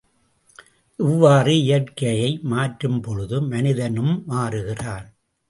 இவ்வாறு இயற்கையை மாற்றும் பொழுது மனிதனும் மாறுகிறான்.